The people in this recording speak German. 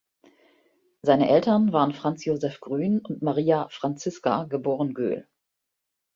Seine Eltern waren Franz Joseph Grün und Maria "Franziska" geboren Göhl.